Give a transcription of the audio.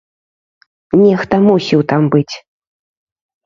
Нехта мусіў там быць.